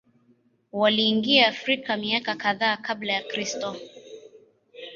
Waliingia Afrika miaka kadhaa Kabla ya Kristo.